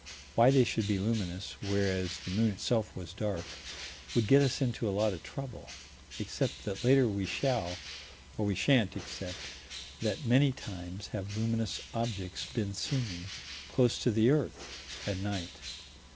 Why they should be luminous, whereas the moon itself was dark, would get us into a lot of trouble except that later we shall, or we sha'n't, accept that many times have luminous objects been seen close to this earth at night.